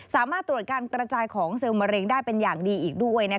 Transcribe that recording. สามารถตรวจการกระจายของเซลล์มะเร็งได้เป็นอย่างดีอีกด้วย